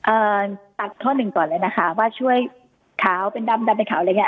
อ่าตัดข้อหนึ่งก่อนเลยนะคะว่าช่วยขาวเป็นดำดำเป็นขาวอะไรอย่างเง